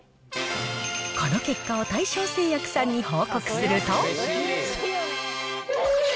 この結果を大正製薬さんに報告すると。